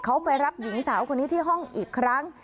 เขาไปรับหญิงสาวคนนี้ที่ห้องอีกครั้ง